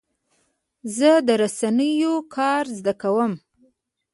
زه د رسنیو کار زده کوم.